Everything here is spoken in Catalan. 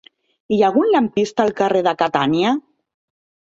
Hi ha algun lampista al carrer de Catània?